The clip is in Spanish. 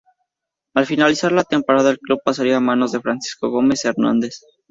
Al finalizar la temporada, el club pasaría a manos de Francisco Gómez Hernández.